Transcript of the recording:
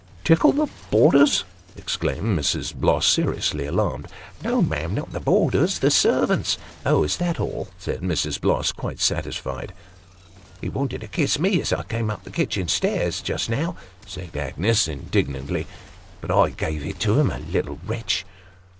" Tickle the boarders !" exclaimed Mrs. Bloss, seriously alarmed. " No, ma'am, not the boarders, the servants." " Oh, is that all !" said Mrs. Bloss, quite satisfied. " He wanted to kiss me as I came up the kitchen stairs, just now," said Agnes, indignantly ;" but I gave it him a little wretch